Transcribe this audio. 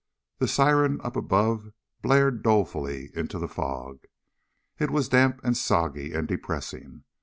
The siren up above blared dolefully into the fog. It was damp, and soggy, and depressing.